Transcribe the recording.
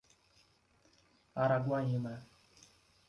Araguaína